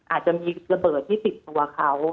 อาจจะมีระเบิดที่ติดตัวเขา